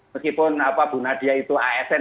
meskipun bu nadia itu asn